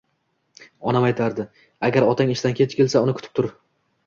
Onam aytardi: "Agar otang ishdan kelsa, uni kutib tur